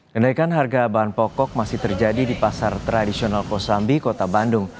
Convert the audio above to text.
kenaikan harga bahan pokok masih terjadi di pasar tradisional kosambi kota bandung